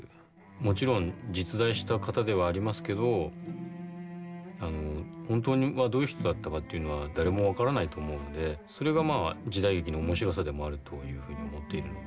もちろん実在した方ではありますけど本当はどういう人だったかっていうのは誰も分からないと思うんでそれがまあ時代劇の面白さでもあるというふうに思っているんで